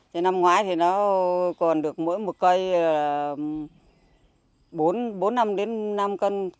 thế năm ngoái thì nó còn được mỗi một cây bốn năm đến năm cân